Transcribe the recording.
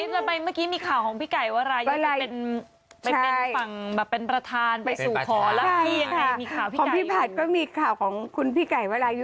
เมื่อไหนจะไปเมื่อไหร่กินขาวของพี่กายวะรายุ